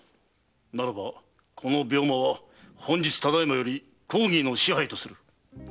ならばこの病間は本日ただ今より公儀の支配とする。